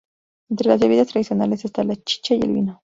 Entre las bebidas tradicionales está la chicha y el vino.